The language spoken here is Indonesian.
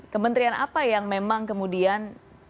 kementerian apa yang memang kemudian